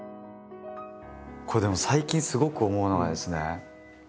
これでも最近すごく思うのがですね